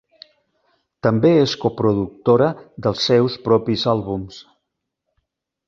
També és coproductora dels seus propis àlbums.